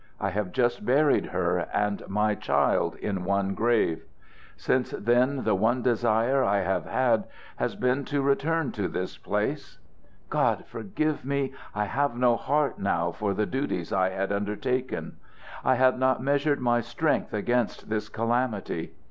I have just buried her and my child in one grave. Since then the one desire I have had has been to return to this place. God forgive me! I have no heart now for the duties I had undertaken. I had not measured my strength against this calamity.